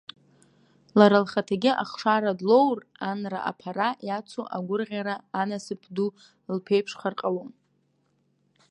Лара лхаҭагьы ахшара длоур, анра-аԥара иацу агәырӷьара, анасыԥ ду лԥеиԥшхар ҟалон.